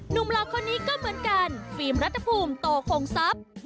หลอกคนนี้ก็เหมือนกันฟิล์มรัฐภูมิโตคงทรัพย์